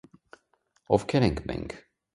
Ովքե՞ր ենք մենք։